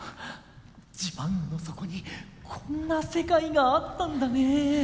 ジパングの底にこんな世界があったんだね。